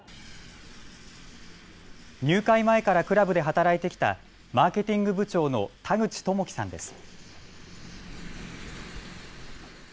入会前からクラブで働いてきたマーケティング部長の田口智基さんです。